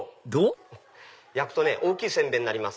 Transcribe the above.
焼くと大きい煎餅になります